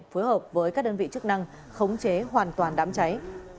phối hợp với các đơn vị chức năng khống chế hoàn toàn đám cháy